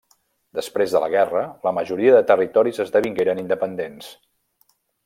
Després de la guerra, la majoria de territoris esdevingueren independents.